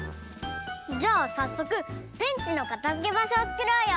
じゃあさっそくペンチのかたづけばしょをつくろうよ！